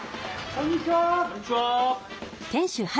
こんにちは！